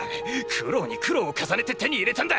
苦労に苦労を重ねて手に入れたんだ！